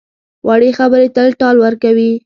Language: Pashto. وړې خبرې ته ټال ورکوي.